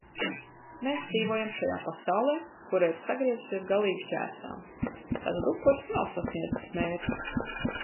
Mēs dzīvojam šajā pasaulē, kura ir sagriezusies galīgi šķērsām. Tātad upuris nav sasniedzis mērķi...